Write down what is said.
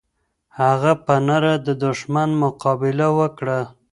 هغه په نره د دښمن مقابله وکړه.